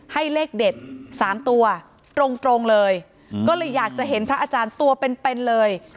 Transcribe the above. เลขเด็ดสามตัวตรงเลยก็เลยอยากจะเห็นพระอาจารย์ตัวเป็นเป็นเลย